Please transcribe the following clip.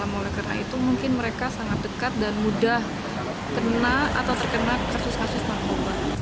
dan oleh karena itu mungkin mereka sangat dekat dan mudah kena atau terkena kasus kasus narkoba